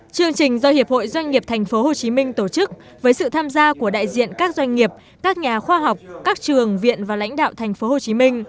chương trình do hiệp hội doanh nghiệp tp hcm tổ chức với sự tham gia của đại diện các doanh nghiệp các nhà khoa học các trường viện và lãnh đạo tp hcm